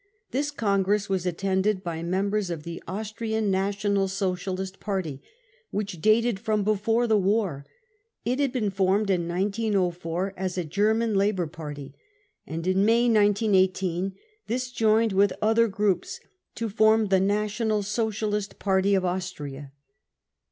This congress was attended by mem bers of the Austrian National Socialist Party, which dated from before the war. It had been formed in 1904 as a "German Labour Party, 55 and in May 1918 this joined with otlrer groups to form the National Socialist Party of Austria.